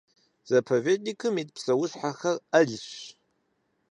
Заповедникым ит псэущхьэхэр Ӏэлщ.